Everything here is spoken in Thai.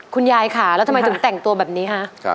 คุณยายค่ะแล้วทำไมถึงแต่งตัวแบบนี้คะ